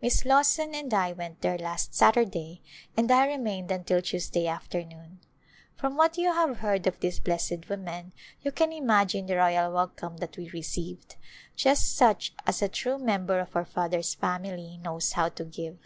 Miss Lawson and I went there last Saturday and I remained until Tuesday afternoon. From what you have heard of this blessed woman you can imagine the royal welcome that we received, just such as a true member of our Father's family knows how to give.